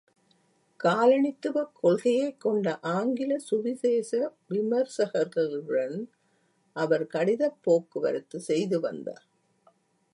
காலனித்துவ கொள்கையைக் கொண்ட ஆங்கில சுவிசேஷ விமர்சகர்களுடன் அவர் கடிதப் போக்குவரத்து செய்து வந்தார்.